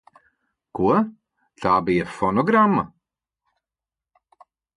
Ko? Tā bija fonogramma?